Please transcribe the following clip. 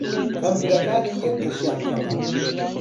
تەمبرەکانی یەک قرشیان کەمە!